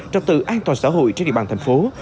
trật tự an toàn xã hội trên địa bàn thành phố